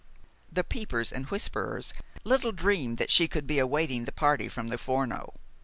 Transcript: The peepers and whisperers little dreamed that she could be awaiting the party from the Forno.